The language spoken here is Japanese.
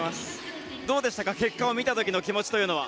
どうでしたか結果を見た時の気持ちは。